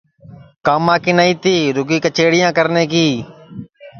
کاما کی نائی تی رُگی کچیریاں کرنے کی